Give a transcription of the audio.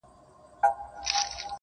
د ژوند دوران ته دي کتلي گراني .